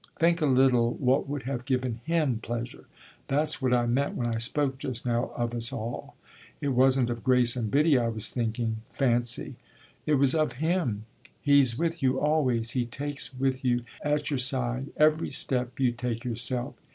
Think a little what would have given him pleasure. That's what I meant when I spoke just now of us all. It wasn't of Grace and Biddy I was thinking fancy! it was of him. He's with you always; he takes with you, at your side, every step you take yourself.